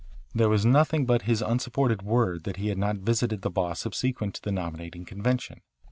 There was nothing but his unsupported word that he had not visited the Boss subsequent to the nominating convention.